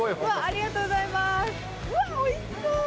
うわっおいしそう！